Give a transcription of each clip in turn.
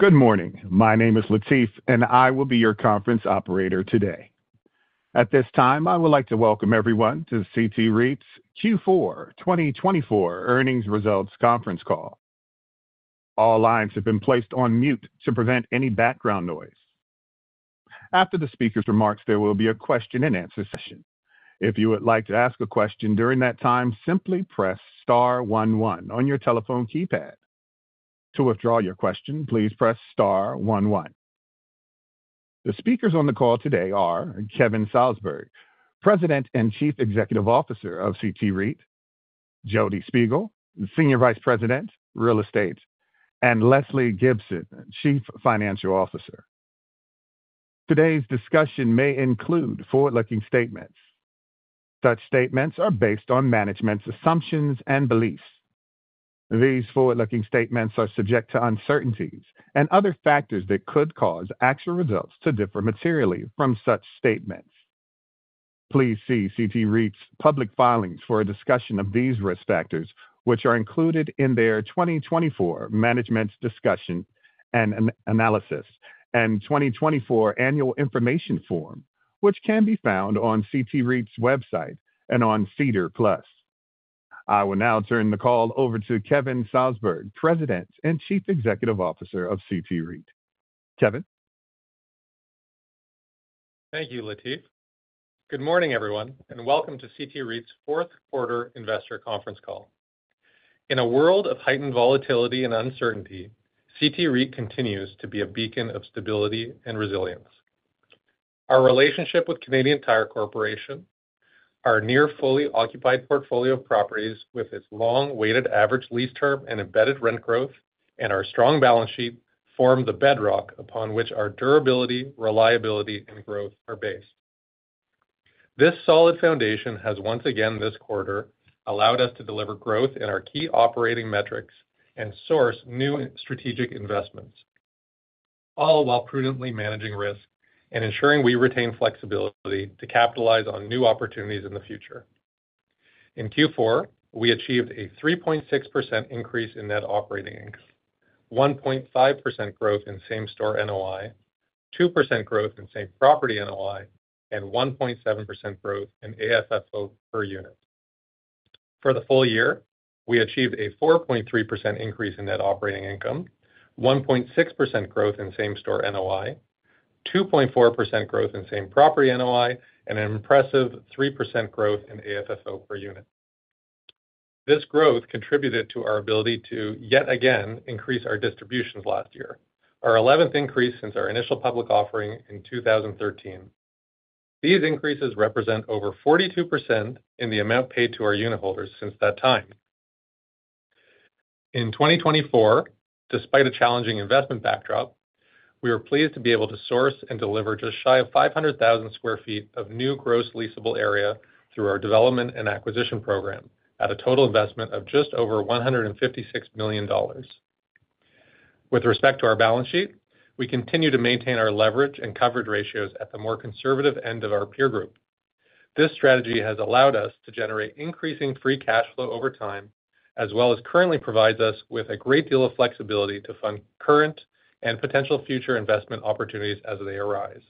Good morning. My name is Latif, and I will be your conference operator today. At this time, I would like to welcome everyone to CT REIT's Q4 2024 earnings results conference call. All lines have been placed on mute to prevent any background noise. After the speaker's remarks, there will be a question-and-answer session. If you would like to ask a question during that time, simply press star 11 on your telephone keypad. To withdraw your question, please press star 11. The speakers on the call today are Kevin Salsberg, President and Chief Executive Officer of CT REIT, Jodi Shpigel, Senior Vice President, Real Estate, and Lesley Gibson, Chief Financial Officer. Today's discussion may include forward-looking statements. Such statements are based on management's assumptions and beliefs. These forward-looking statements are subject to uncertainties and other factors that could cause actual results to differ materially from such statements. Please see CT REIT's public filings for a discussion of these risk factors, which are included in their 2024 Management Discussion and Analysis and 2024 Annual Information Form, which can be found on CT REIT's website and on SEDAR+. I will now turn the call over to Kevin Salsberg, President and Chief Executive Officer of CT REIT. Kevin. Thank you, Latif. Good morning, everyone, and welcome to CT REIT's fourth quarter investor conference call. In a world of heightened volatility and uncertainty, CT REIT continues to be a beacon of stability and resilience. Our relationship with Canadian Tire Corporation, our near fully occupied portfolio of properties with its long weighted average lease term and embedded rent growth, and our strong balance sheet form the bedrock upon which our durability, reliability, and growth are based. This solid foundation has once again this quarter allowed us to deliver growth in our key operating metrics and source new strategic investments, all while prudently managing risk and ensuring we retain flexibility to capitalize on new opportunities in the future. In Q4, we achieved a 3.6% increase in net operating income, 1.5% growth in same-store NOI, 2% growth in same-property NOI, and 1.7% growth in AFFO per unit. For the full year, we achieved a 4.3% increase in net operating income, 1.6% growth in same-store NOI, 2.4% growth in same-property NOI, and an impressive 3% growth in AFFO per unit. This growth contributed to our ability to yet again increase our distributions last year, our 11th increase since our initial public offering in 2013. These increases represent over 42% in the amount paid to our unit holders since that time. In 2024, despite a challenging investment backdrop, we are pleased to be able to source and deliver just shy of 500,000 sq ft of new gross leasable area through our development and acquisition program at a total investment of just over 156 million dollars. With respect to our balance sheet, we continue to maintain our leverage and coverage ratios at the more conservative end of our peer group. This strategy has allowed us to generate increasing free cash flow over time, as well as currently provides us with a great deal of flexibility to fund current and potential future investment opportunities as they arise.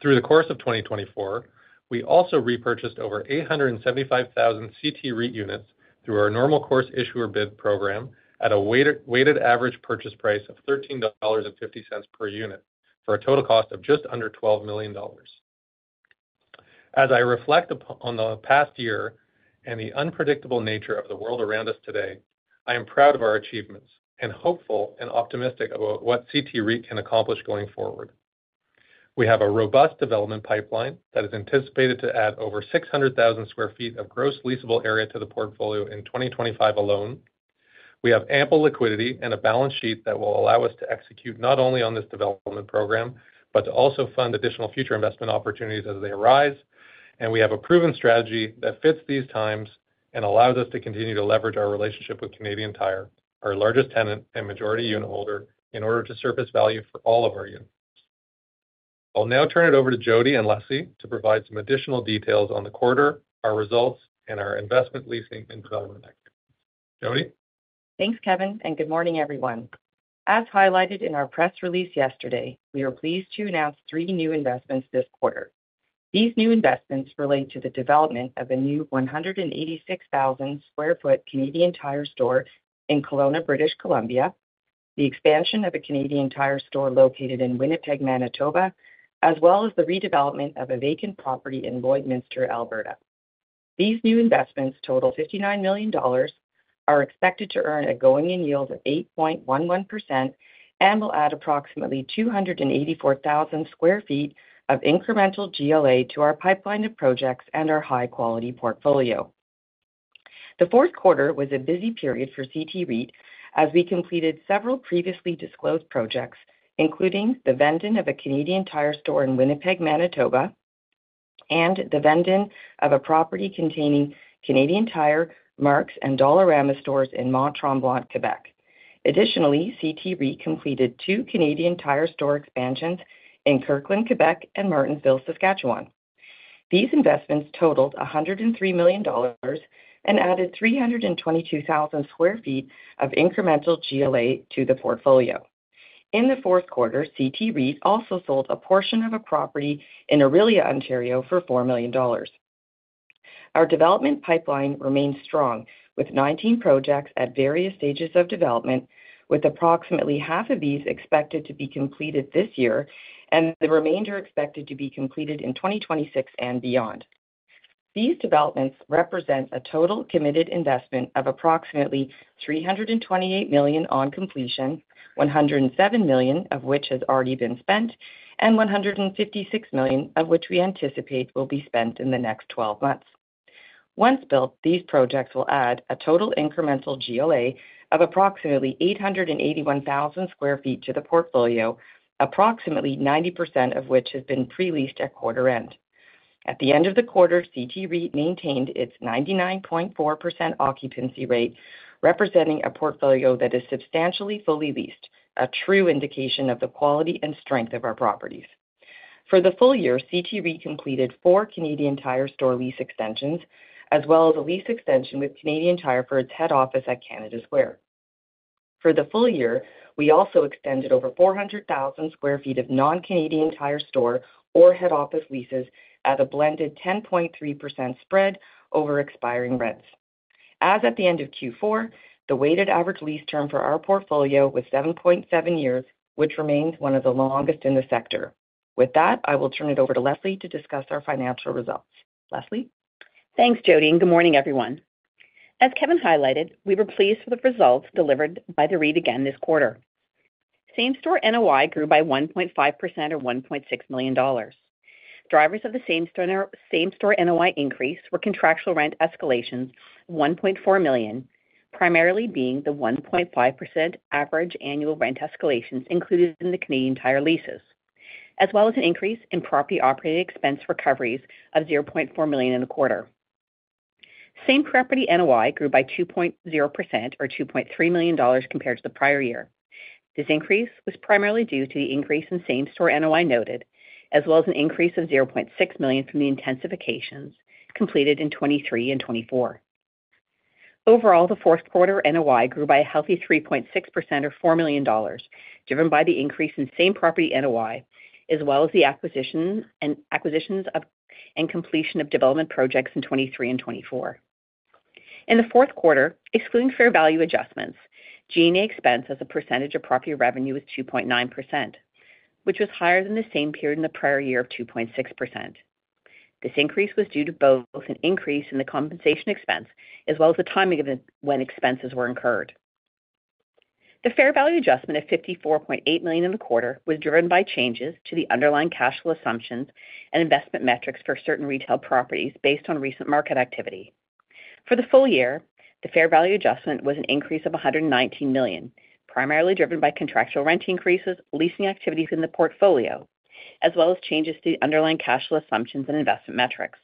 Through the course of 2024, we also repurchased over 875,000 CT REIT units through our normal course issuer bid program at a weighted average purchase price of 13.50 dollars per unit for a total cost of just under 12 million dollars. As I reflect upon the past year and the unpredictable nature of the world around us today, I am proud of our achievements and hopeful and optimistic about what CT REIT can accomplish going forward. We have a robust development pipeline that is anticipated to add over 600,000 sq ft of gross leasable area to the portfolio in 2025 alone. We have ample liquidity and a balance sheet that will allow us to execute not only on this development program, but to also fund additional future investment opportunities as they arise. And we have a proven strategy that fits these times and allows us to continue to leverage our relationship with Canadian Tire, our largest tenant and majority unit holder, in order to surface value for all of our units. I'll now turn it over to Jodi and Lesley to provide some additional details on the quarter, our results, and our investment, leasing, and development activities. Jodi. Thanks, Kevin, and good morning, everyone. As highlighted in our press release yesterday, we are pleased to announce three new investments this quarter. These new investments relate to the development of a new 186,000 sq ft Canadian Tire store in Kelowna, British Columbia, the expansion of a Canadian Tire store located in Winnipeg, Manitoba, as well as the redevelopment of a vacant property in Lloydminster, Alberta. These new investments total $59 million, are expected to earn a going-in yield of 8.11%, and will add approximately 284,000 sq ft of incremental GLA to our pipeline of projects and our high-quality portfolio. The fourth quarter was a busy period for CT REIT as we completed several previously disclosed projects, including the vending of a Canadian Tire store in Winnipeg, Manitoba, and the vending of a property containing Canadian Tire, Mark's, and Dollarama stores in Mont-Tremblant, Quebec. Additionally, CT REIT completed two Canadian Tire store expansions in Kirkland, Quebec, and Martensville, Saskatchewan. These investments totaled $103 million and added 322,000 sq ft of incremental GLA to the portfolio. In the fourth quarter, CT REIT also sold a portion of a property in Orillia, Ontario, for $4 million. Our development pipeline remains strong, with 19 projects at various stages of development, with approximately half of these expected to be completed this year and the remainder expected to be completed in 2026 and beyond. These developments represent a total committed investment of approximately $328 million on completion, $107 million of which has already been spent, and $156 million of which we anticipate will be spent in the next 12 months. Once built, these projects will add a total incremental GLA of approximately 881,000 sq ft to the portfolio, approximately 90% of which has been pre-leased at quarter end. At the end of the quarter, CT REIT maintained its 99.4% occupancy rate, representing a portfolio that is substantially fully leased, a true indication of the quality and strength of our properties. For the full year, CT REIT completed four Canadian Tire store lease extensions, as well as a lease extension with Canadian Tire for its head office at Canada Square. For the full year, we also extended over 400,000 sq ft of non-Canadian Tire store or head office leases at a blended 10.3% spread over expiring rents. As at the end of Q4, the weighted average lease term for our portfolio was 7.7 years, which remains one of the longest in the sector. With that, I will turn it over to Lesley to discuss our financial results. Lesley. Thanks, Jodi, and good morning, everyone. As Kevin highlighted, we were pleased with the results delivered by the REIT again this quarter. Same-store NOI grew by 1.5% or 1.6 million dollars. Drivers of the same-store NOI increase were contractual rent escalations, 1.4 million, primarily being the 1.5% average annual rent escalations included in the Canadian Tire leases, as well as an increase in property operating expense recoveries of 0.4 million in the quarter. Same-property NOI grew by 2.0% or 2.3 million dollars compared to the prior year. This increase was primarily due to the increase in same-store NOI noted, as well as an increase of 0.6 million from the intensifications completed in 2023 and 2024. Overall, the fourth quarter NOI grew by a healthy 3.6% or 4 million dollars, driven by the increase in same-property NOI, as well as the acquisitions and completion of development projects in 2023 and 2024. In the fourth quarter, excluding fair value adjustments, G&A expense as a percentage of property revenue was 2.9%, which was higher than the same period in the prior year of 2.6%. This increase was due to both an increase in the compensation expense as well as the timing of when expenses were incurred. The fair value adjustment of 54.8 million in the quarter was driven by changes to the underlying cash flow assumptions and investment metrics for certain retail properties based on recent market activity. For the full year, the fair value adjustment was an increase of 119 million, primarily driven by contractual rent increases, leasing activities in the portfolio, as well as changes to the underlying cash flow assumptions and investment metrics.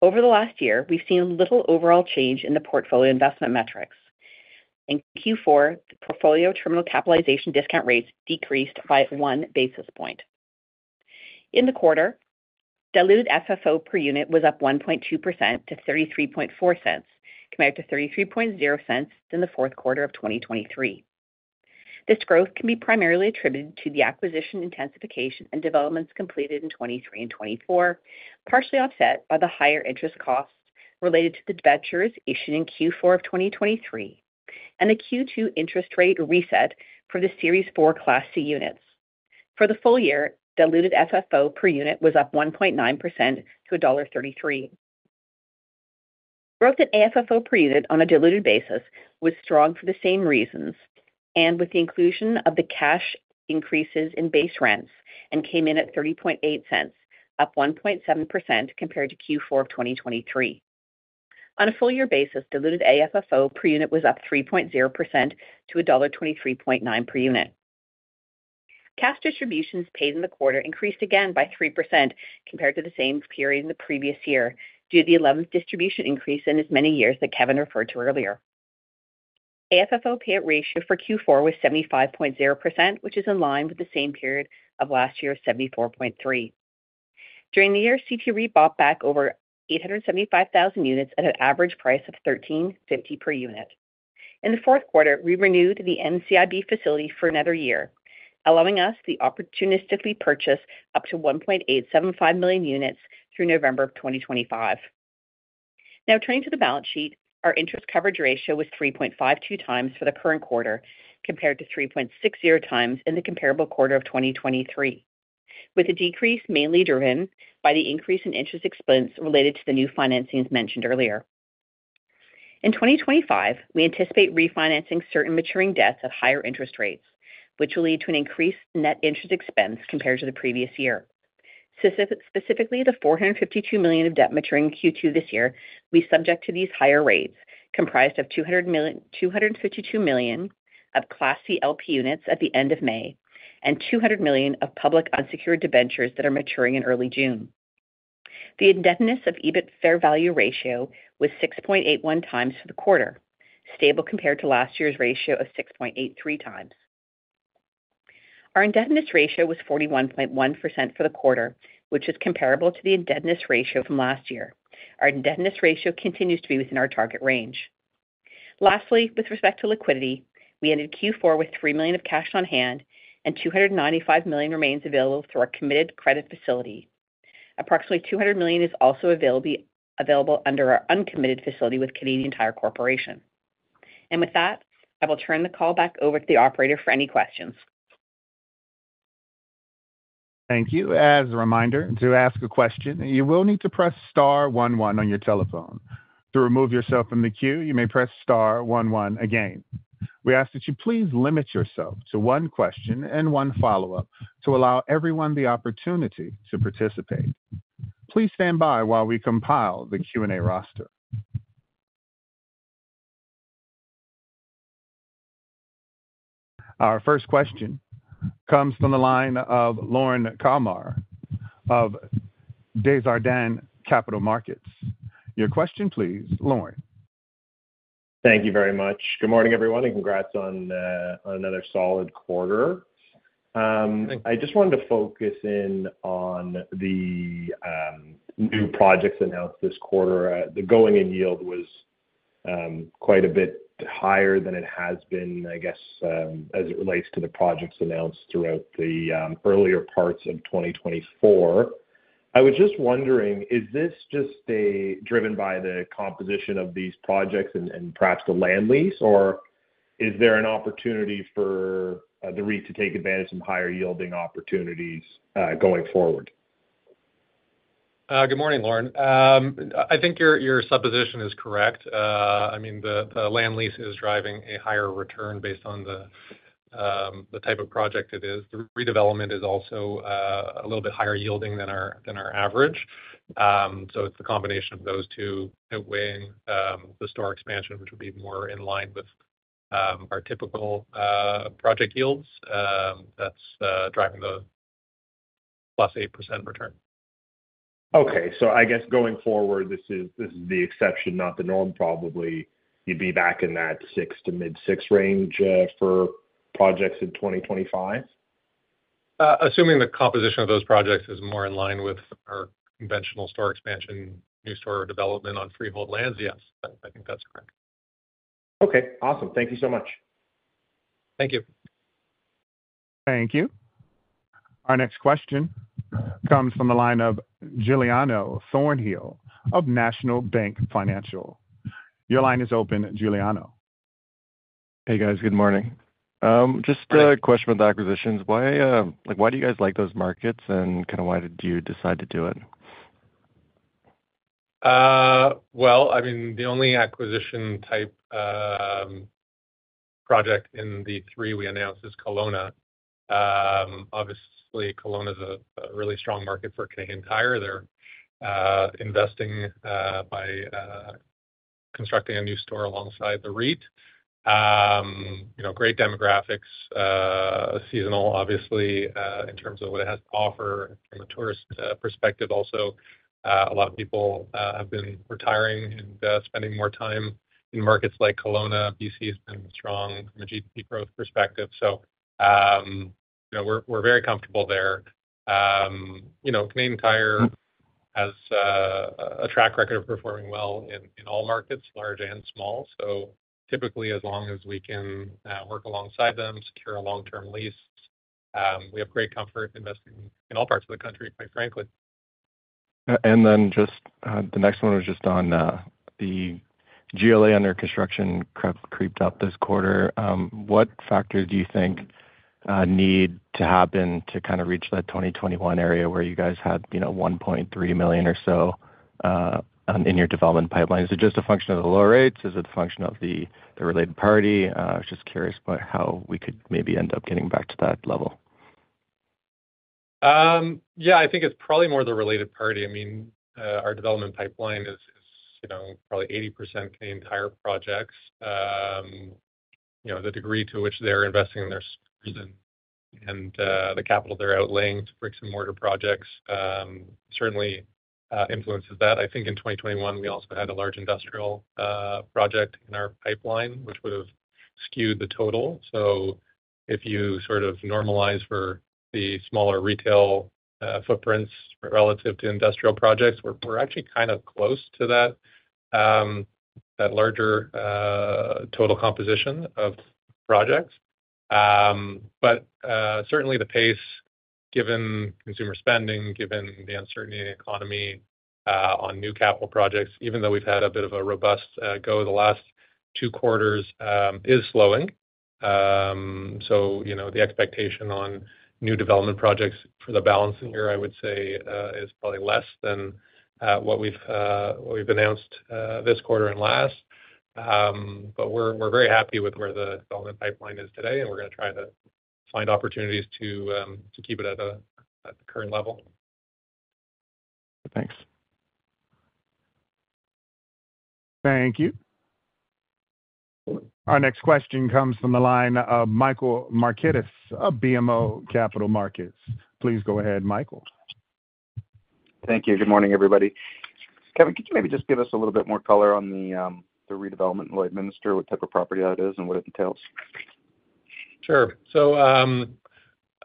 Over the last year, we've seen little overall change in the portfolio investment metrics. In Q4, the portfolio terminal capitalization discount rates decreased by one basis point. In the quarter, diluted FFO per unit was up 1.2% to $0.334, compared to $0.330 in the fourth quarter of 2023. This growth can be primarily attributed to the acquisition, intensification, and developments completed in 2023 and 2024, partially offset by the higher interest costs related to the debentures issued in Q4 of 2023 and the Q2 interest rate reset for the Series 4 Class C units. For the full year, diluted FFO per unit was up 1.9% to $1.33. Growth in FFO per unit on a diluted basis was strong for the same reasons and with the inclusion of the contractual increases in base rents and came in at $0.38, up 1.7% compared to Q4 of 2023. On a full-year basis, diluted FFO per unit was up 3.0% to $1.239 per unit. Cash distributions paid in the quarter increased again by 3% compared to the same period in the previous year due to the 11th distribution increase in as many years that Kevin referred to earlier. FFO payout ratio for Q4 was 75.0%, which is in line with the same period of last year of 74.3%. During the year, CT REIT bought back over 875,000 units at an average price of 13.50 per unit. In the fourth quarter, we renewed the NCIB facility for another year, allowing us to opportunistically purchase up to 1.875 million units through November of 2025. Now, turning to the balance sheet, our interest coverage ratio was 3.52 times for the current quarter compared to 3.60 times in the comparable quarter of 2023, with a decrease mainly driven by the increase in interest expense related to the new financings mentioned earlier. In 2025, we anticipate refinancing certain maturing debts at higher interest rates, which will lead to an increased net interest expense compared to the previous year. Specifically, the $452 million of debt maturing Q2 this year will be subject to these higher rates, comprised of $252 million of Class C LP Units at the end of May and $200 million of Public Unsecured Debentures that are maturing in early June. The interest coverage ratio was 6.81 times for the quarter, stable compared to last year's ratio of 6.83 times. Our Indebtedness Ratio was 41.1% for the quarter, which is comparable to the Indebtedness Ratio from last year. Our Indebtedness Ratio continues to be within our target range. Lastly, with respect to liquidity, we ended Q4 with $3 million of Cash on Hand and $295 million remains available through our Committed Credit Facility. Approximately 200 million is also available under our uncommitted facility with Canadian Tire Corporation. And with that, I will turn the call back over to the operator for any questions. Thank you. As a reminder to ask a question, you will need to press star 11 on your telephone. To remove yourself from the queue, you may press star 11 again. We ask that you please limit yourself to one question and one follow-up to allow everyone the opportunity to participate. Please stand by while we compile the Q&A roster. Our first question comes from the line of Lorne Kalmar of Desjardins Capital Markets. Your question, please, Lorne. Thank you very much. Good morning, everyone, and congrats on another solid quarter. I just wanted to focus in on the new projects announced this quarter. The going-in yield was quite a bit higher than it has been, I guess, as it relates to the projects announced throughout the earlier parts of 2024. I was just wondering, is this just driven by the composition of these projects and perhaps the land lease, or is there an opportunity for the REIT to take advantage of higher yielding opportunities going forward? Good morning, Lorne. I think your supposition is correct. I mean, the land lease is driving a higher return based on the type of project it is. The redevelopment is also a little bit higher yielding than our average. So it's the combination of those two outweighing the store expansion, which would be more in line with our typical project yields. That's driving the plus 8% return. Okay. So I guess going forward, this is the exception, not the norm, probably. You'd be back in that six to mid-six range for projects in 2025? Assuming the composition of those projects is more in line with our conventional store expansion, new store development on freehold lands, yes. I think that's correct. Okay. Awesome. Thank you so much. Thank you. Thank you. Our next question comes from the line of Giuliano Thornhill of National Bank Financial. Your line is open, Giuliano. Hey, guys. Good morning. Just a question about the acquisitions. Why do you guys like those markets, and kind of why did you decide to do it? Well, I mean, the only acquisition type project in the three we announced is Kelowna. Obviously, Kelowna is a really strong market for Canadian Tire. They're investing by constructing a new store alongside the REIT. Great demographics, seasonal, obviously, in terms of what it has to offer from a tourist perspective. Also, a lot of people have been retiring and spending more time in markets like Kelowna. B.C. has been strong from a GDP growth perspective. So we're very comfortable there. Canadian Tire has a track record of performing well in all markets, large and small. So typically, as long as we can work alongside them, secure a long-term lease, we have great comfort investing in all parts of the country, quite frankly. And then, just the next one was just on the GLA under construction crept up this quarter. What factors do you think need to happen to kind of reach that 2021 area where you guys had 1.3 million or so in your development pipeline? Is it just a function of the lower rates? Is it a function of the related party? I was just curious about how we could maybe end up getting back to that level. Yeah, I think it's probably more the related party. I mean, our development pipeline is probably 80% Canadian Tire projects. The degree to which they're investing in their stores and the capital they're outlaying to bricks and mortar projects certainly influences that. I think in 2021, we also had a large industrial project in our pipeline, which would have skewed the total. So if you sort of normalize for the smaller retail footprints relative to industrial projects, we're actually kind of close to that larger total composition of projects. But certainly, the pace, given consumer spending, given the uncertainty in the economy on new capital projects, even though we've had a bit of a robust go the last two quarters, is slowing. So the expectation on new development projects for the balance of the year, I would say, is probably less than what we've announced this quarter and last. But we're very happy with where the development pipeline is today, and we're going to try to find opportunities to keep it at the current level. Thanks. Thank you. Our next question comes from the line of Michael Markidis, BMO Capital Markets. Please go ahead, Michael. Thank you. Good morning, everybody. Kevin, could you maybe just give us a little bit more color on the redevelopment and what it means to what type of property that is and what it entails? Sure. So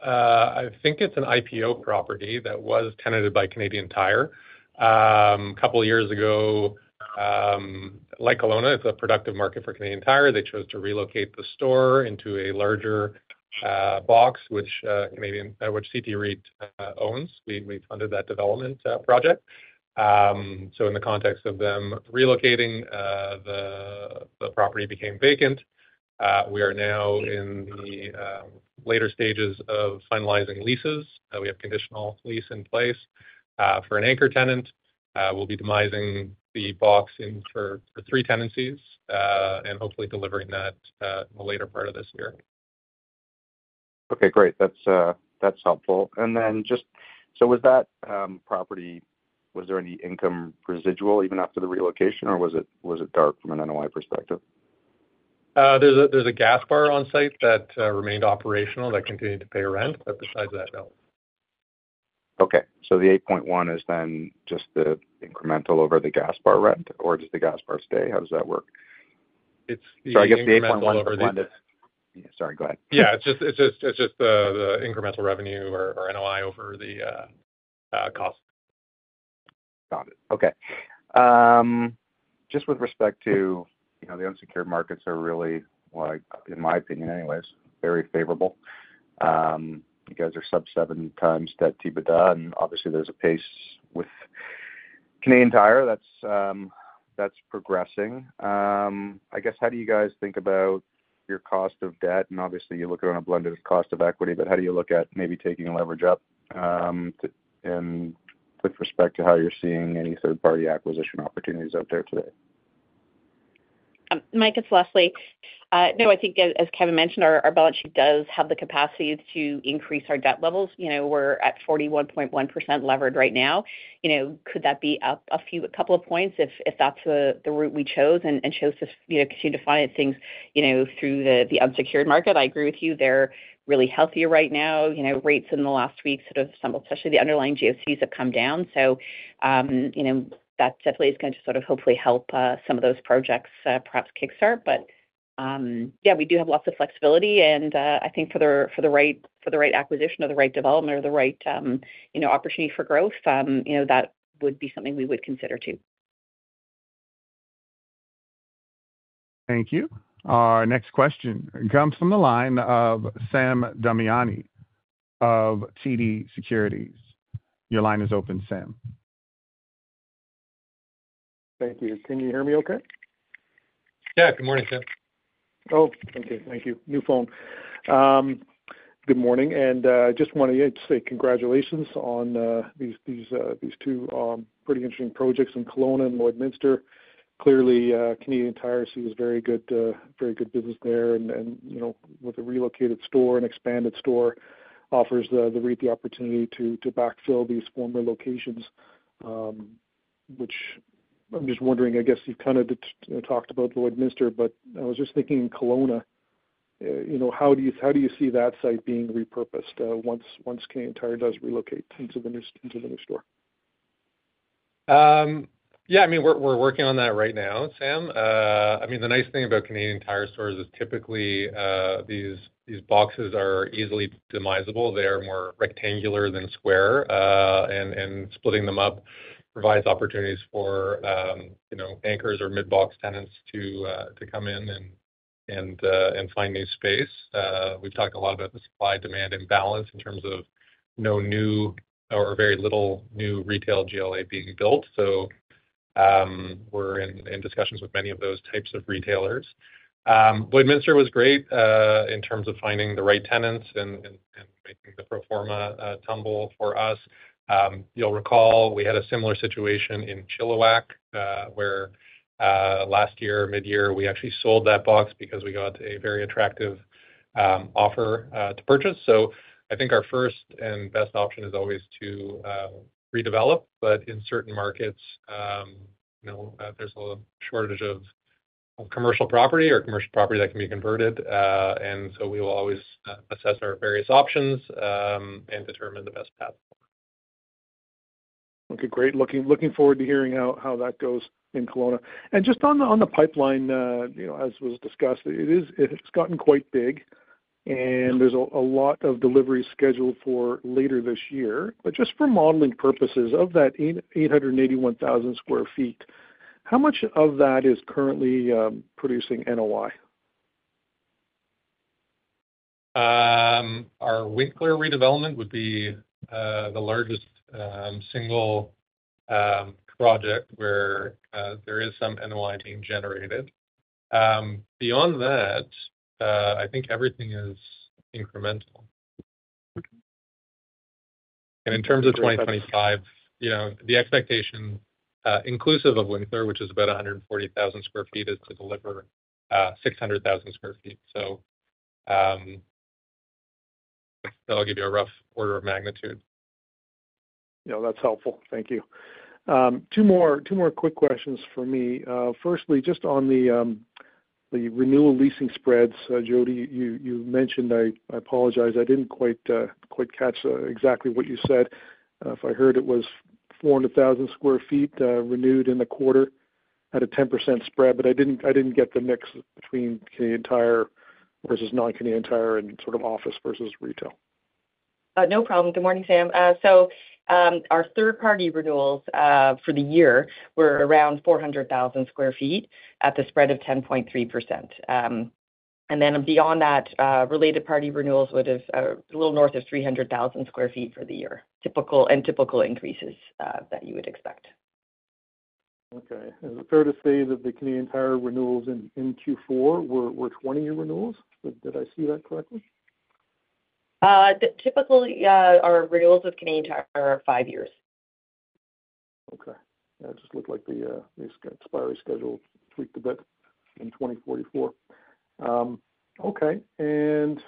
I think it's an IPO property that was tenanted by Canadian Tire a couple of years ago. Like Kelowna, it's a productive market for Canadian Tire. They chose to relocate the store into a larger box, which CT REIT owns. We funded that development project. So in the context of them relocating, the property became vacant. We are now in the later stages of finalizing leases. We have a conditional lease in place for an anchor tenant. We'll be dividing the box for three tenancies and hopefully delivering that in the later part of this year. Okay. Great. That's helpful. And then just so was that property, was there any income residual even after the relocation, or was it dark from an NOI perspective? There's a gas bar on site that remained operational that continued to pay rent, but besides that, no. Okay. So the 8.1 is then just the incremental over the gas bar rent, or does the gas bar stay? How does that work? It's the incremental over the. So, I guess the 8.1 is, yeah. Sorry, go ahead. Yeah. It's just the incremental revenue or NOI over the cost. Got it. Okay. Just with respect to the unsecured markets are really, in my opinion anyways, very favorable. You guys are sub-seven times debt to EBITDA, and obviously, there's a partnership with Canadian Tire that's progressing. I guess, how do you guys think about your cost of debt? And obviously, you look at it on a blended cost of equity, but how do you look at maybe taking a leverage up with respect to how you're seeing any third-party acquisition opportunities out there today? Mike, it's Lesley. No, I think, as Kevin mentioned, our balance sheet does have the capacity to increase our debt levels. We're at 41.1% levered right now. Could that be up a couple of points if that's the route we chose and chose to continue to finance things through the unsecured market? I agree with you. They're really healthy right now. Rates in the last week sort of stumbled, especially the underlying GOCs have come down. So that definitely is going to sort of hopefully help some of those projects perhaps kickstart. But yeah, we do have lots of flexibility, and I think for the right acquisition or the right development or the right opportunity for growth, that would be something we would consider too. Thank you. Our next question comes from the line of Sam Damiani of TD Securities. Your line is open, Sam. Thank you. Can you hear me okay? Yeah. Good morning, Sam. Oh, thank you. Thank you. New phone. Good morning. And I just want to say congratulations on these two pretty interesting projects in Kelowna and Lloydminster. Clearly, Canadian Tire sees very good business there. And with a relocated store and expanded store, offers the REIT the opportunity to backfill these former locations, which I'm just wondering. I guess you've kind of talked about Lloydminster, but I was just thinking in Kelowna, how do you see that site being repurposed once Canadian Tire does relocate into the new store? Yeah. I mean, we're working on that right now, Sam. I mean, the nice thing about Canadian Tire stores is typically these boxes are easily demisable. They are more rectangular than square. And splitting them up provides opportunities for anchors or mid-box tenants to come in and find new space. We've talked a lot about the supply-demand imbalance in terms of no new or very little new retail GLA being built. So we're in discussions with many of those types of retailers. Lloydminster was great in terms of finding the right tenants and making the pro forma work for us. You'll recall we had a similar situation in Chilliwack where last year, mid-year, we actually sold that box because we got a very attractive offer to purchase. So I think our first and best option is always to redevelop. But in certain markets, there's a shortage of commercial property or commercial property that can be converted. And so we will always assess our various options and determine the best path. Okay. Great. Looking forward to hearing how that goes in Kelowna, and just on the pipeline, as was discussed, it's gotten quite big, and there's a lot of delivery scheduled for later this year, but just for modeling purposes of that 881,000 sq ft, how much of that is currently producing NOI? Our Winkler redevelopment would be the largest single project where there is some NOI being generated. Beyond that, I think everything is incremental. And in terms of 2025, the expectation inclusive of Winkler, which is about 140,000 sq ft, is to deliver 600,000 sq ft. So that'll give you a rough order of magnitude. Yeah. That's helpful. Thank you. Two more quick questions for me. Firstly, just on the renewal leasing spreads, Jodi, you mentioned. I apologize. I didn't quite catch exactly what you said. If I heard it was 400,000 sq ft renewed in the quarter at a 10% spread, but I didn't get the mix between Canadian Tire versus non-Canadian Tire and sort of office versus retail. No problem. Good morning, Sam. So our third-party renewals for the year were around 400,000 sq ft at the spread of 10.3%. And then beyond that, related-party renewals would have a little north of 300,000 sq ft for the year, and typical increases that you would expect. Okay. Is it fair to say that the Canadian Tire renewals in Q4 were 20-year renewals? Did I see that correctly? Typically, our renewals with Canadian Tire are five years. Okay. Yeah. It just looked like the expiry schedule tweaked a bit in 2044. Okay. And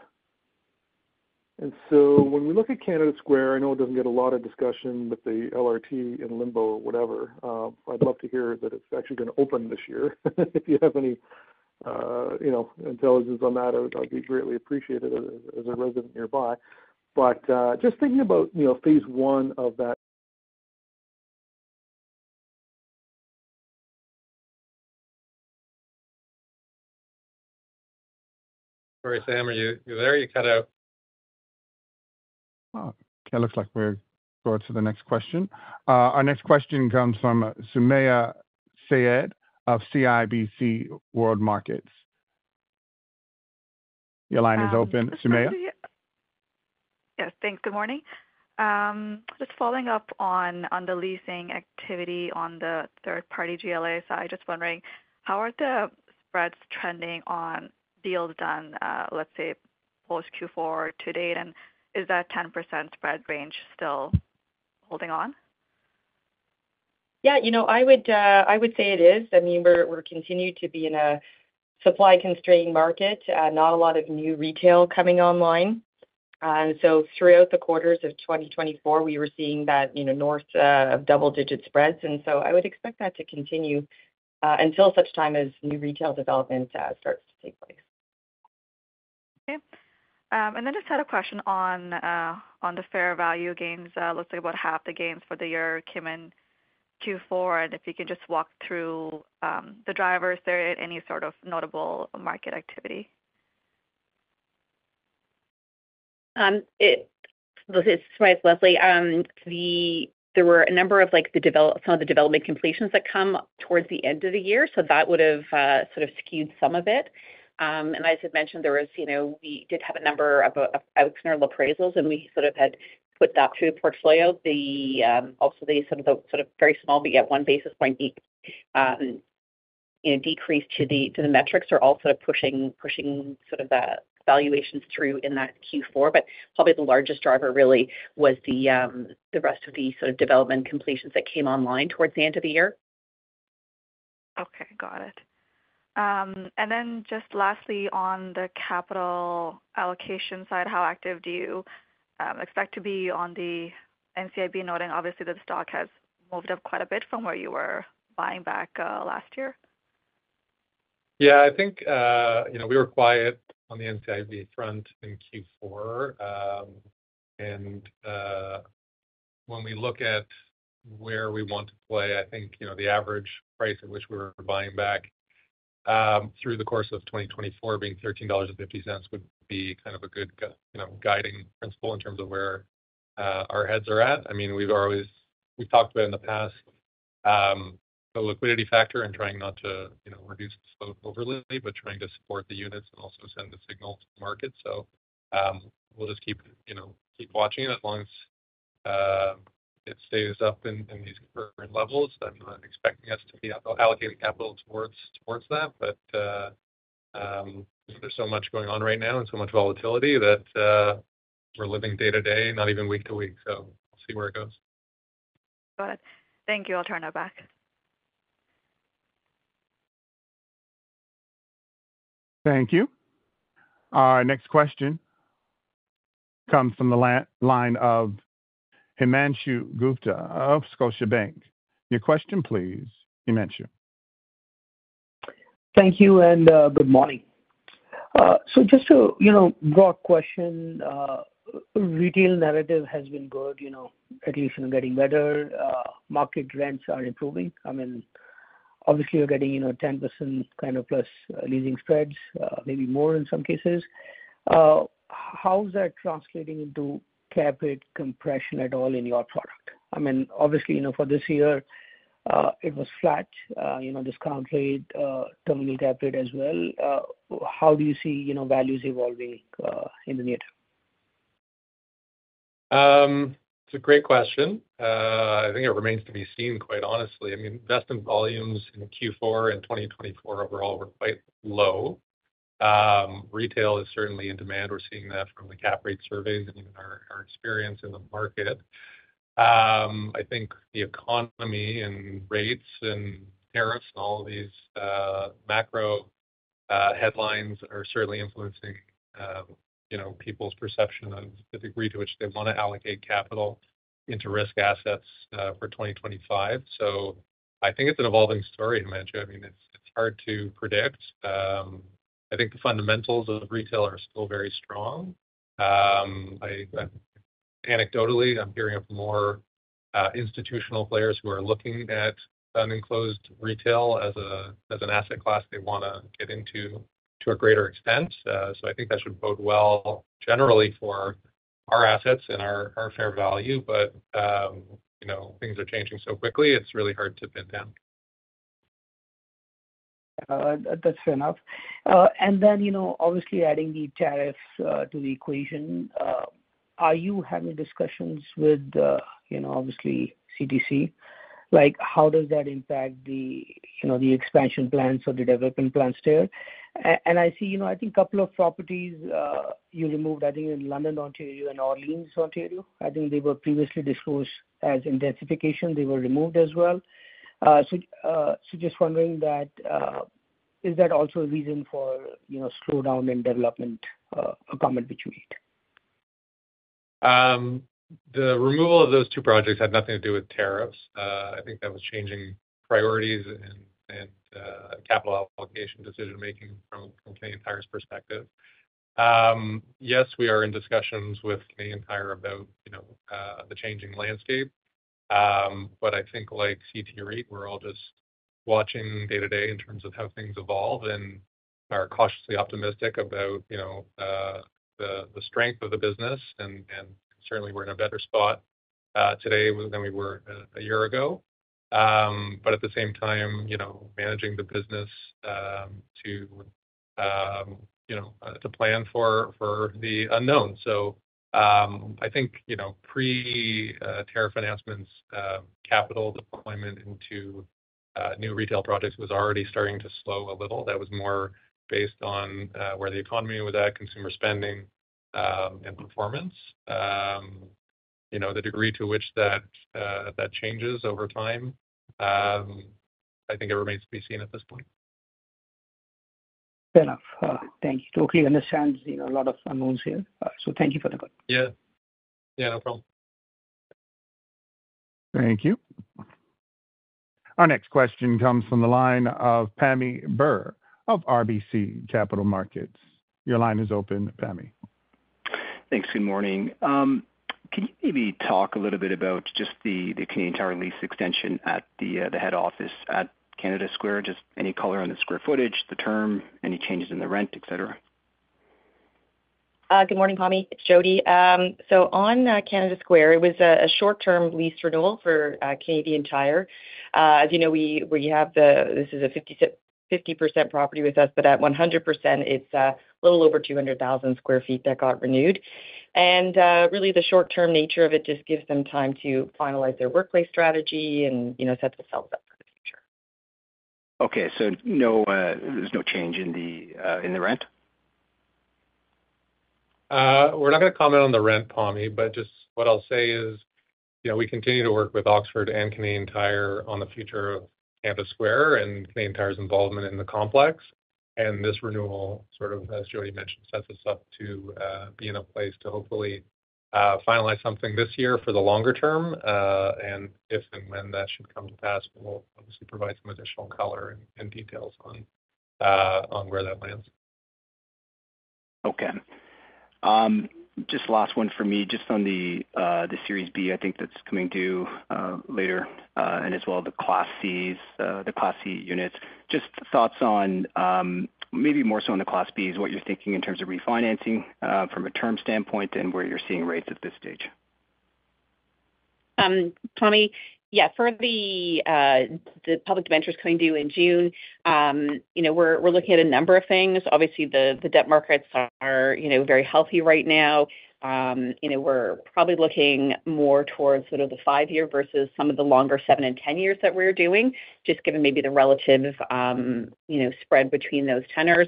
so when we look at Canada Square, I know it doesn't get a lot of discussion with the LRT in limbo or whatever. I'd love to hear that it's actually going to open this year. If you have any intelligence on that, I'd be greatly appreciated as a resident nearby. But just thinking about phase one of that. Sorry, Sam. Are you there? You cut out. It looks like we're going to the next question. Our next question comes from Sumayya Syed of CIBC World Markets. Your line is open. Sumayya. Yes. Thanks. Good morning. Just following up on the leasing activity on the third-party GLA, so I'm just wondering, how are the spreads trending on deals done, let's say post-Q4 to date? And is that 10% spread range still holding on? Yeah. I would say it is. I mean, we're continuing to be in a supply-constrained market, not a lot of new retail coming online. And so throughout the quarters of 2024, we were seeing that north of double-digit spreads. And so I would expect that to continue until such time as new retail development starts to take place. Okay. And then just had a question on the fair value gains. It looks like about half the gains for the year came in Q4. And if you can just walk through the drivers, there any sort of notable market activity? Sorry, Lesley. There were a number of some of the development completions that come towards the end of the year, so that would have sort of skewed some of it. And as I mentioned, we did have a number of external appraisals, and we sort of had put that through the portfolio. Also, the sort of very small, we get one basis point decrease to the metrics are also pushing sort of the valuations through in that Q4. But probably the largest driver really was the rest of the sort of development completions that came online towards the end of the year. Okay. Got it. And then just lastly, on the capital allocation side, how active do you expect to be on the NCIB noting obviously that the stock has moved up quite a bit from where you were buying back last year? Yeah. I think we were quiet on the NCIB front in Q4. And when we look at where we want to play, I think the average price at which we were buying back through the course of 2024 being $13.50 would be kind of a good guiding principle in terms of where our heads are at. I mean, we've talked about it in the past, the liquidity factor and trying not to reduce the scope overly, but trying to support the units and also send the signal to the market. So we'll just keep watching it. As long as it stays up in these current levels, I'm not expecting us to be allocating capital towards that. But there's so much going on right now and so much volatility that we're living day-to-day, not even week to week. So we'll see where it goes. Got it. Thank you. I'll turn it back. Thank you. Our next question comes from the line of Himanshu Gupta of Scotiabank. Your question, please, Himanshu. Thank you. Good morning. Just a broad question. Retail narrative has been good, at least getting better. Market rents are improving. I mean, obviously, we're getting 10% kind of plus leasing spreads, maybe more in some cases. How is that translating into cap rate compression at all in your product? I mean, obviously, for this year, it was flat, discount rate, terminal cap rate as well. How do you see values evolving in the near term? It's a great question. I think it remains to be seen, quite honestly. I mean, investment volumes in Q4 and 2024 overall were quite low. Retail is certainly in demand. We're seeing that from the cap rate surveys and our experience in the market. I think the economy and rates and tariffs and all of these macro headlines are certainly influencing people's perception of the degree to which they want to allocate capital into risk assets for 2025. So I think it's an evolving story, Himanshu. I mean, it's hard to predict. I think the fundamentals of retail are still very strong. Anecdotally, I'm hearing of more institutional players who are looking at unenclosed retail as an asset class they want to get into to a greater extent. So I think that should bode well generally for our assets and our fair value. But things are changing so quickly, it's really hard to pin down. That's fair enough. And then obviously adding the tariffs to the equation, are you having discussions with obviously CTC? How does that impact the expansion plans or the development plans there? And I see I think a couple of properties you removed, I think in London, Ontario, and Orleans, Ontario. I think they were previously disclosed as intensification. They were removed as well. So just wondering that is that also a reason for slowdown in development comment which you made? The removal of those two projects had nothing to do with tariffs. I think that was changing priorities and capital allocation decision-making from Canadian Tire's perspective. Yes, we are in discussions with Canadian Tire about the changing landscape, but I think like CT REIT, we're all just watching day-to-day in terms of how things evolve and are cautiously optimistic about the strength of the business, and certainly, we're in a better spot today than we were a year ago, but at the same time, managing the business to plan for the unknown, so I think pre-tariff announcements, capital deployment into new retail projects was already starting to slow a little. That was more based on where the economy was at, consumer spending, and performance. The degree to which that changes over time, I think it remains to be seen at this point. Fair enough. Thank you. Totally understand a lot of unknowns here. So thank you for the call. Yeah. Yeah. No problem. Thank you. Our next question comes from the line of Pammi Bir of RBC Capital Markets. Your line is open, Pammi. Thanks. Good morning. Can you maybe talk a little bit about just the Canadian Tire lease extension at the head office at Canada Square? Just any color on the square footage, the term, any changes in the rent, etc.? Good morning, Pammi. It's Jodi. So on Canada Square, it was a short-term lease renewal for Canadian Tire. As you know, we have, this is a 50% property with us, but at 100%, it's a little over 200,000 sq ft that got renewed. And really, the short-term nature of it just gives them time to finalize their workplace strategy and set themselves up for the future. Okay, so there's no change in the rent? We're not going to comment on the rent, Pammi, but just what I'll say is we continue to work with Oxford and Canadian Tire on the future of Canada Square and Canadian Tire's involvement in the complex. And this renewal, sort of as Jodi mentioned, sets us up to be in a place to hopefully finalize something this year for the longer term. And if and when that should come to pass, we'll obviously provide some additional color and details on where that lands. Okay. Just last one for me. Just on the Series B, I think that's coming due later, and as well the Class C units. Just thoughts on maybe more so on the Class Bs, what you're thinking in terms of refinancing from a term standpoint and where you're seeing rates at this stage. Pammi, yeah, for the public debentures coming due in June, we're looking at a number of things. Obviously, the debt markets are very healthy right now. We're probably looking more towards sort of the five-year versus some of the longer seven and ten years that we're doing, just given maybe the relative spread between those tenors.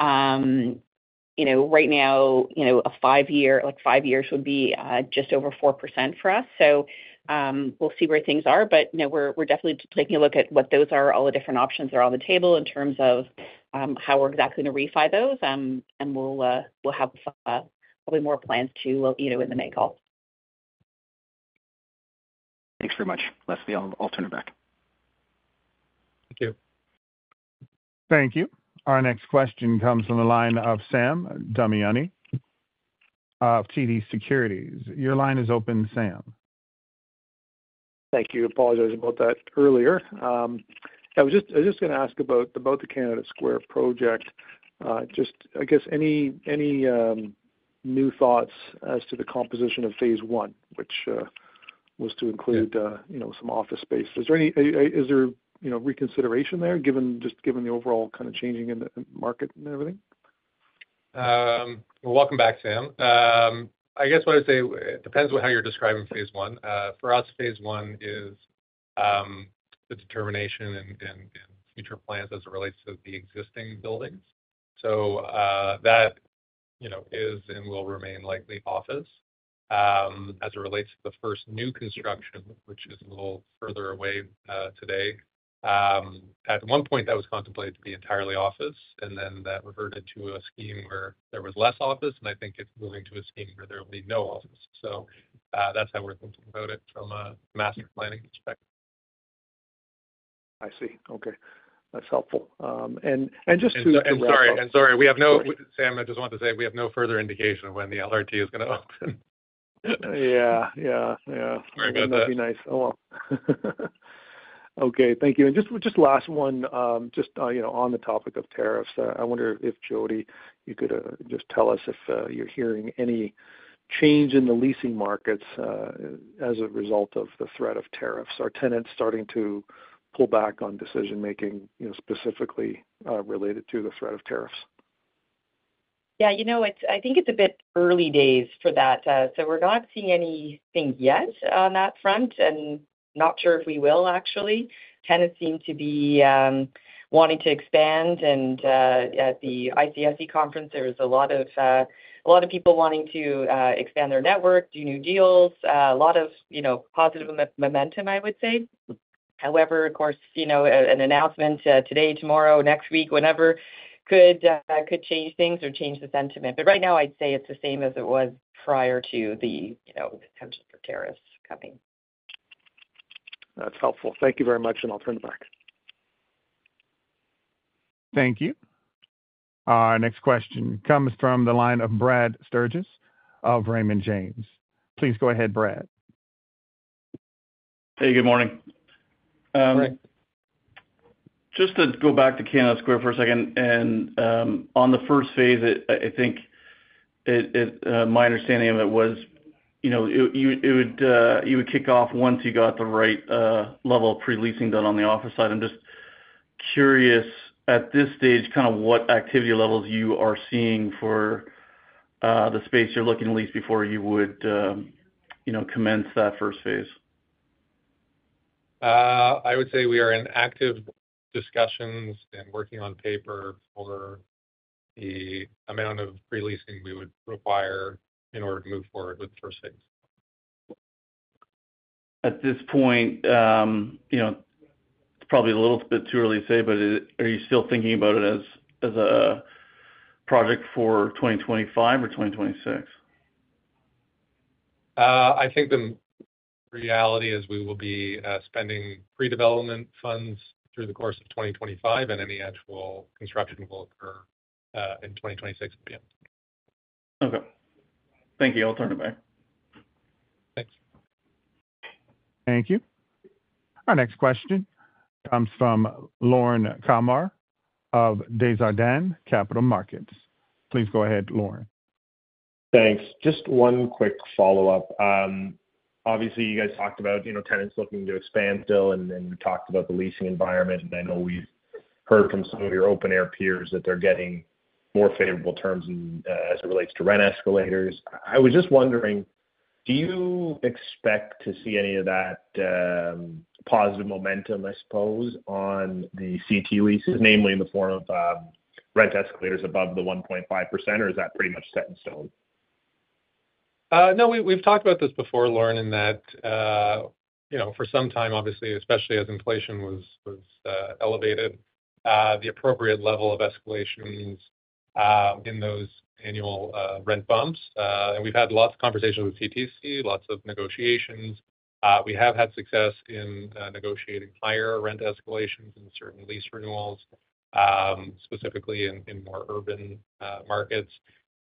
Right now, a five-year like five years would be just over 4% for us. So we'll see where things are. But we're definitely taking a look at what those are, all the different options that are on the table in terms of how we're exactly going to refinance those. And we'll have probably more plans too in the May call. Thanks very much, Lesley. I'll turn it back. Thank you. Thank you. Our next question comes from the line of Sam Damiani of TD Securities. Your line is open, Sam. Thank you. Apologize about that earlier. I was just going to ask about the Canada Square project. Just, I guess, any new thoughts as to the composition of phase one, which was to include some office space? Is there reconsideration there just given the overall kind of changing in the market and everything? Welcome back, Sam. I guess what I'd say, it depends on how you're describing phase one. For us, phase one is the determination and future plans as it relates to the existing buildings. So that is and will remain likely office as it relates to the first new construction, which is a little further away today. At one point, that was contemplated to be entirely office, and then that reverted to a scheme where there was less office. And I think it's moving to a scheme where there will be no office. So that's how we're thinking about it from a master planning perspective. I see. Okay. That's helpful, and just to. I'm sorry. I'm sorry. We have no Sam, I just wanted to say we have no further indication of when the LRT is going to open. Yeah. Yeah. Yeah. Very good. That would be nice. Oh, well. Okay. Thank you. And just last one, just on the topic of tariffs, I wonder if Jodi, you could just tell us if you're hearing any change in the leasing markets as a result of the threat of tariffs or tenants starting to pull back on decision-making specifically related to the threat of tariffs? Yeah. I think it's a bit early days for that. So we're not seeing anything yet on that front and not sure if we will, actually. Tenants seem to be wanting to expand, and at the ICSC conference, there was a lot of people wanting to expand their network, do new deals, a lot of positive momentum, I would say. However, of course, an announcement today, tomorrow, next week, whenever could change things or change the sentiment, but right now, I'd say it's the same as it was prior to the attention for tariffs coming. That's helpful. Thank you very much, and I'll turn it back. Thank you. Our next question comes from the line of Brad Sturges of Raymond James. Please go ahead, Brad. Hey, good morning. Great. Just to go back to Canada Square for a second, and on the first phase, I think my understanding of it was you would kick off once you got the right level of pre-leasing done on the office side. I'm just curious at this stage kind of what activity levels you are seeing for the space you're looking to lease before you would commence that first phase. I would say we are in active discussions and working on paper for the amount of pre-leasing we would require in order to move forward with the first phase. At this point, it's probably a little bit too early to say, but are you still thinking about it as a project for 2025 or 2026? I think the reality is we will be spending pre-development funds through the course of 2025, and any actual construction will occur in 2026 at the end. Okay. Thank you. I'll turn it back. Thanks. Thank you. Our next question comes from Lorne Kalmar of Desjardins Capital Markets. Please go ahead, Lorne. Thanks. Just one quick follow-up. Obviously, you guys talked about tenants looking to expand still, and we talked about the leasing environment. And I know we've heard from some of your open-air peers that they're getting more favorable terms as it relates to rent escalators. I was just wondering, do you expect to see any of that positive momentum, I suppose, on the CT leases, namely in the form of rent escalators above the 1.5%, or is that pretty much set in stone? No, we've talked about this before, Lorne, in that for some time, obviously, especially as inflation was elevated, the appropriate level of escalations in those annual rent bumps, and we've had lots of conversations with CTC, lots of negotiations. We have had success in negotiating higher rent escalations in certain lease renewals, specifically in more urban markets,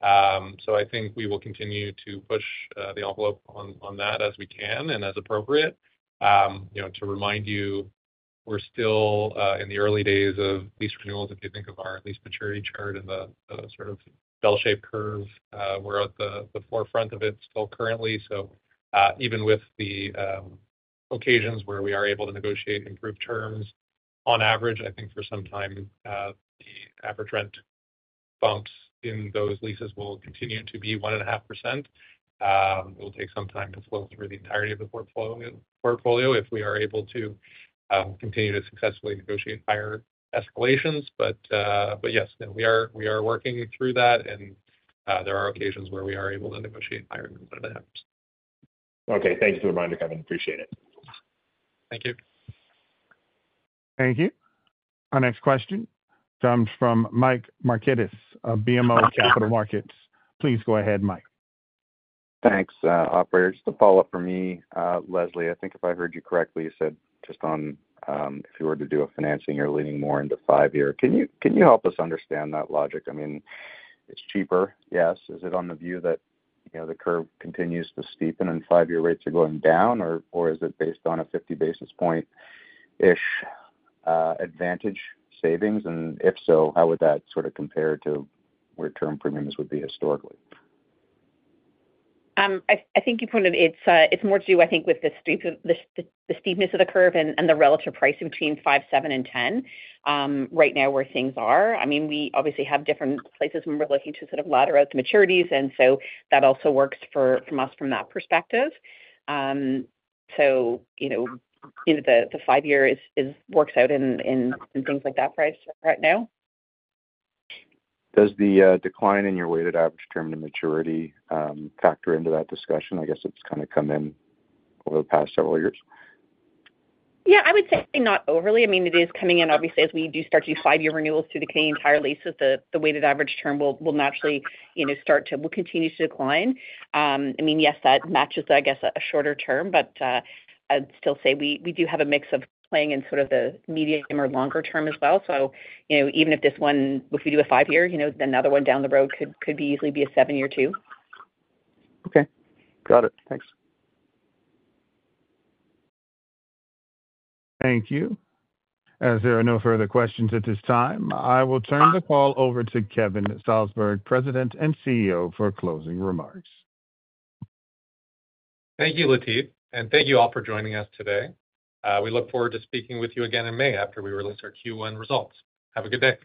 so I think we will continue to push the envelope on that as we can and as appropriate. To remind you, we're still in the early days of lease renewals. If you think of our lease maturity chart and the sort of bell-shaped curve, we're at the forefront of it still currently, so even with the occasions where we are able to negotiate improved terms, on average, I think for some time, the average rent bumps in those leases will continue to be 1.5%. It will take some time to flow through the entirety of the portfolio if we are able to continue to successfully negotiate higher escalations, but yes, we are working through that, and there are occasions where we are able to negotiate higher than what it happens. Okay. Thank you for the reminder, Kevin. Appreciate it. Thank you. Thank you. Our next question comes from Michael Markidis of BMO Capital Markets. Please go ahead, Mike. Thanks, operator. Just a follow-up from me, Lesley. I think if I heard you correctly, you said just on if you were to do a financing, you're leaning more into five-year. Can you help us understand that logic? I mean, it's cheaper, yes. Is it on the view that the curve continues to steepen and five-year rates are going down, or is it based on a 50 basis point-ish advantage savings? And if so, how would that sort of compare to where term premiums would be historically? I think you put it. It's more to do, I think, with the steepness of the curve and the relative price between five, seven, and ten right now where things are. I mean, we obviously have different places when we're looking to sort of ladder out to maturities, and so that also works for us from that perspective. So the five-year works out in things like that price right now. Does the decline in your weighted average term to maturity factor into that discussion? I guess it's kind of come in over the past several years. Yeah. I would say not overly. I mean, it is coming in, obviously, as we do start to do five-year renewals through the Canadian Tire leases, the weighted average term will naturally start to continue to decline. I mean, yes, that matches, I guess, a shorter term, but I'd still say we do have a mix of playing in sort of the medium or longer term as well. So even if this one, if we do a five-year, then another one down the road could easily be a seven-year too. Okay. Got it. Thanks. Thank you. As there are no further questions at this time, I will turn the call over to Kevin Salsberg, President and CEO, for closing remarks. Thank you, Latif, and thank you all for joining us today. We look forward to speaking with you again in May after we release our Q1 results. Have a good day.